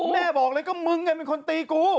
แม่บอกเลยก็มึงเป็นคนตีกู